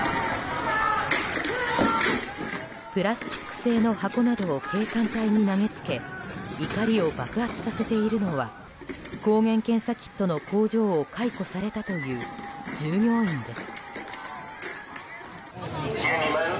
プラスチック製の箱などを警官隊に投げつけ怒りを爆発させているのは抗原検査キットの工場を解雇されたという従業員です。